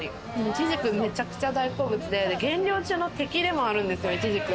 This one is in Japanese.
イチジクめちゃくちゃ大好物で、減量中の敵でもあるんですよ。